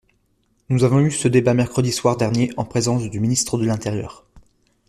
Nous avons eu ce débat mercredi soir dernier en présence du ministre de l’intérieur.